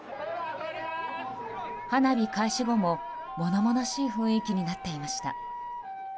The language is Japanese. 花火開始後も、物々しい雰囲気になっていました。